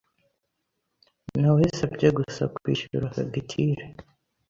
Nawesabye gusa kwishyura fagitire.